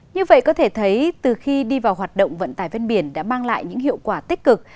như vậy có thể thấy từ khi đi vào hoạt động vận tải ven biển đã mang lại những hiệu quả tích cực